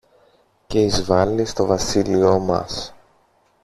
και εισβάλλει στο βασίλειό μας.